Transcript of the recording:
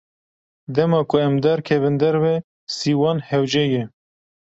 Dema ku em derkevin derve, sîwan hewce ye.